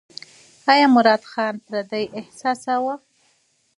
ایا مراد ځان پردی احساساوه؟